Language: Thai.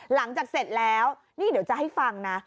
หลังจากเสร็จแล้วนี่เดี๋ยวจะให้ฟังนะ